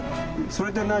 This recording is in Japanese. それって何？